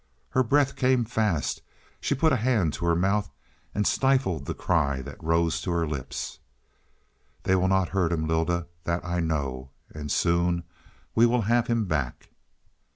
Her breath came fast; she put a hand to her mouth and stifled the cry that rose to her lips. "They will not hurt him, Lylda; that I know. And soon we will have him back."